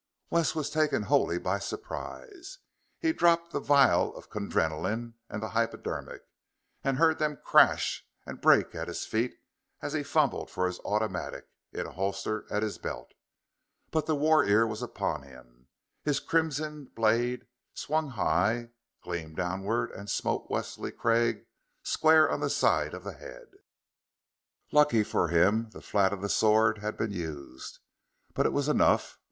Wes was taken wholly by surprise. He dropped the vial of Kundrenaline and the hypodermic, and he heard them crash and break at his feet as he fumbled for his automatic, in a holster at his belt. But the warrior was upon him. His crimsoned blade swung high, gleamed downward, and smote Wesley Craig square on the side of the head. Lucky for him, the flat of the sword had been used but it was enough.